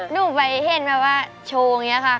หนูไปเห็นแบบว่าโชว์แบบนี้อะค่ะ